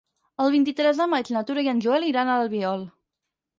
El vint-i-tres de maig na Tura i en Joel iran a l'Albiol.